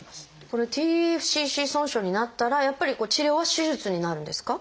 これＴＦＣＣ損傷になったらやっぱり治療は手術になるんですか？